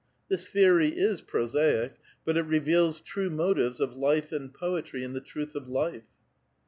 This theory is prosaic, but it reveals true mo tives of life and poetry in the truth of life.